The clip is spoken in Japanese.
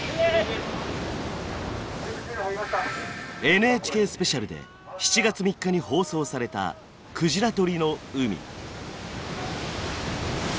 「ＮＨＫスペシャル」で７月３日に放送された「鯨獲りの海」。